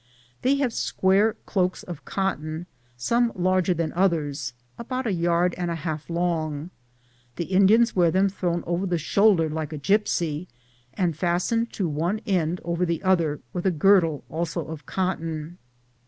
They have> square cloaks of cotton, some larger than others, about a yard and a half long. The Indians wear them thrown over the shoulder like a gipsy, and fastened with one end over the other, with a girdle, also of cotton.